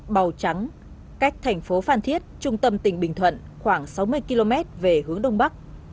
màu trắng cách thành phố phan thiết trung tâm tỉnh bình thuận khoảng sáu mươi km về hướng đông bắc